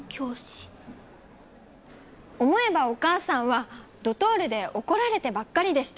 思えばお母さんはドトールで怒られてばっかりでした。